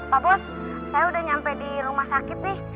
pak bos saya udah nyampe di rumah sakit nih